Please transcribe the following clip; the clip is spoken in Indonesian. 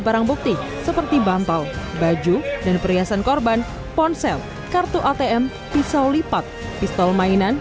barang bukti seperti bantal baju dan perhiasan korban ponsel kartu atm pisau lipat pistol mainan